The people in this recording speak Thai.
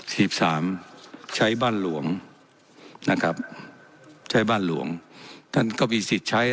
สิบสามใช้บ้านหลวงนะครับใช้บ้านหลวงท่านก็มีสิทธิ์ใช้